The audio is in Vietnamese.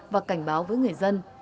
và cảnh báo với người dân